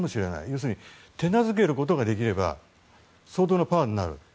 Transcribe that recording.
要するに手なずけることができれば相当なパワーになる。